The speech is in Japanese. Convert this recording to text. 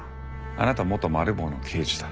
あなたは元マル暴の刑事だ。